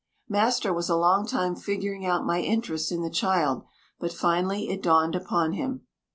Master was a long time figuring out my interest in the child, but finally it dawned upon him.